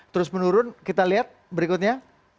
terus menurun kita lihat berikutnya